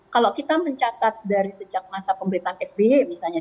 kalau kita mencatat dari sejak masa pemerintahan sby misalnya